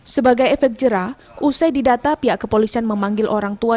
sebagai efek jerah usai didata pihak kepolisian memanggil orang tua